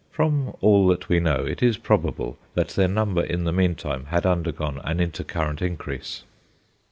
From all that we know, it is probable that their number in the meantime had undergone an intercurrent increase.